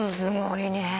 すごいね。